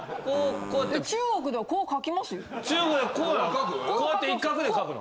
中国ではこうやって一画で書くの？